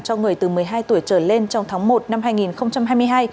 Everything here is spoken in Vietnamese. cho người từ một mươi hai tuổi trở lên trong tháng một năm hai nghìn hai mươi hai